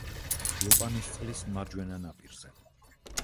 ლოპანისწყლის მარჯვენა ნაპირზე.